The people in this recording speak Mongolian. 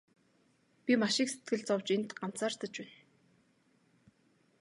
Би маш их сэтгэл зовж энд ганцаардаж байна.